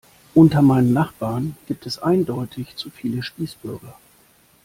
Unter meinen Nachbarn gibt es eindeutig zu viele Spießbürger.